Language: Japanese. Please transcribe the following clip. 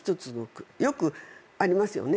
よくありますよね。